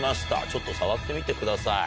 ちょっと触ってみてください。